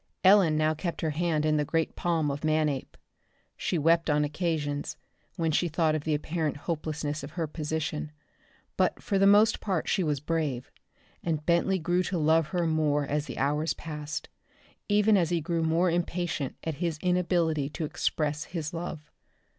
Ellen now kept her hand in the great palm of Manape. She wept on occasions, when she thought of the apparent hopelessness of her position, but for the most part she was brave, and Bentley grew to love her more as the hours passed even as he grew more impatient at his inability to express his love.